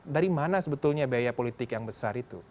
dari mana sebetulnya biaya politik yang besar itu